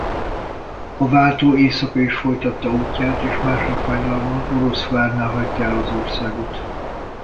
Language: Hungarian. A váltó éjszaka is folytatta útját és másnap hajnalban Oroszvárnál hagyta el az országot.